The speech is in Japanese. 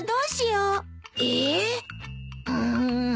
うん。